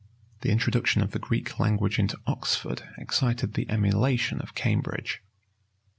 The introduction of the Greek language into Oxford excited the emulation of Cambridge.